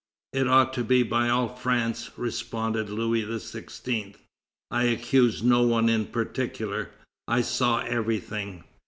"It ought to be by all France," responded Louis XVI.; "I accuse no one in particular, I saw everything."